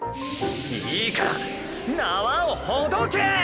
いいから縄をほどけ！